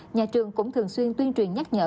nhà trường cũng thường xuyên tuyên truyền nhắc nhở